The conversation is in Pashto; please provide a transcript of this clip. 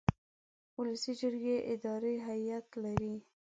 ولسي جرګې اداري هیئت لري.